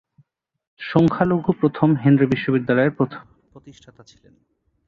সংখ্যালঘু প্রথম হেনরি বিশ্ববিদ্যালয়ের প্রতিষ্ঠাতা ছিলেন।